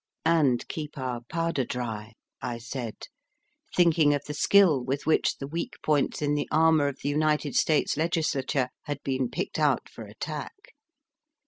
"And keep our powder dry," I said, thinking of the skill with which the weak points in the armour of the tTnited States Legislature had been picked out for attack.